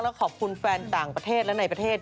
แล้วขอบคุณแฟนต่างประเทศและในประเทศ